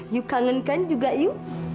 iu kangen kan juga iu